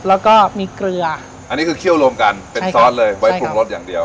แล้วก็มีเกลืออันนี้คือเคี่ยวรวมกันเป็นซอสเลยไว้ปรุงรสอย่างเดียว